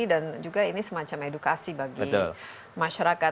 dan juga ini semacam edukasi bagi masyarakat